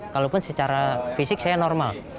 kalaupun secara fisik saya normal